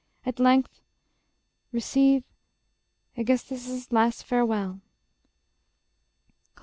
At length receive ... Aegisthus's last farewell. _Cly.